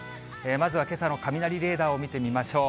まずはけさの雷レーダーを見てみましょう。